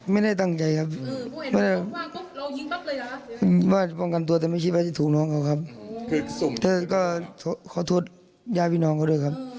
ไม่มีครับไม่มีครับ